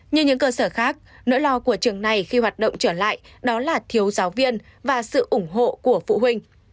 như những cơ sở khác nỗi lo của trường này khi hoạt động trở lại đó là thiếu giáo viên và sự ủng hộ của phụ huynh